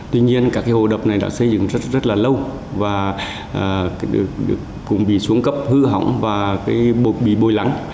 tuy nhiên các cái hồ đập này đã xây dựng rất là lâu và cũng bị xuống cấp hư hỏng và bị bồi lắng